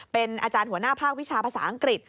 เป็นอาจารย์หัวหน้าภาควิชาภาษาอังกฤษ